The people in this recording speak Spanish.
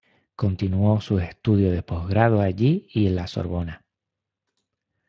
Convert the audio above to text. Continuó sus estudios de posgrado allí y en la Sorbona.